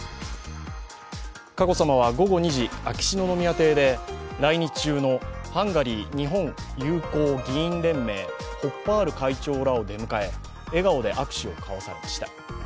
佳子さまは午後２時、秋篠宮邸で来日中のハンガリー日本友好議員連盟ホッパール会長らを出迎え、笑顔で握手を交わされました。